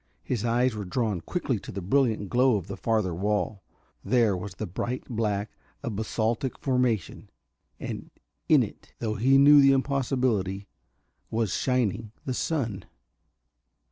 His eyes were drawn quickly to the brilliant glow of the farther wall. There was the bright black of basaltic formation, and in it though he knew the impossibility was shining the sun.